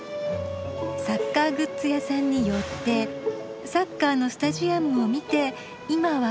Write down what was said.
サッカーグッズ屋さんに寄ってサッカーのスタジアムを見て今はここ。